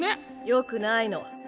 よくないの。